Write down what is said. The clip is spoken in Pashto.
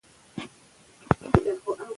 تاسي دا موضوع له خپلو ملګرو سره شریکه کړئ.